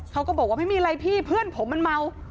ก็บอกว่าไม่มีอะไรพี่เพื่อนผมมันเมา